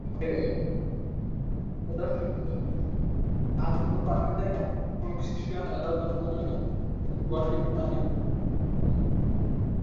ভারতে এখনো অনেক জায়গায় কন্যাশিশু জন্মালে তাকে গলা টিপে মেরে ফেলা হয়।